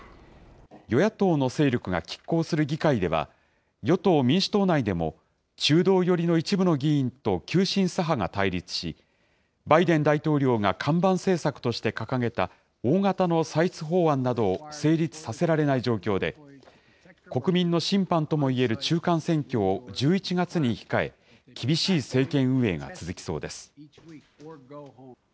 与野党の勢力がきっ抗する議会では、与党・民主党内でも、中道寄りの一部の議員と急進左派が対立し、バイデン大統領が看板政策として掲げた、大型の歳出法案などを成立させられない状況で、国民の審判ともいえる中間選挙を１１月に控え、厳しい政権運営が続きそうです。